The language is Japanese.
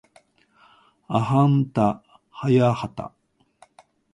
はあんたはやはた